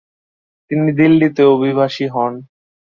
তিনি দিল্লীতে অভিবাসী হন।